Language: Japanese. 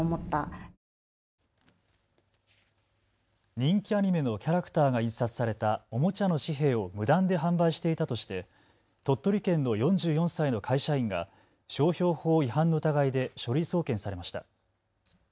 人気アニメのキャラクターが印刷されたおもちゃの紙幣を無断で販売していたとして鳥取県の４４歳の会社員が商標法違反の疑いで書類送検されました。